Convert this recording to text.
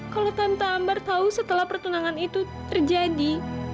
kalau tante ambar tahu setelah pertunangan itu terjadi